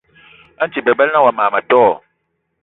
A nti bebela na wa mas ma tó?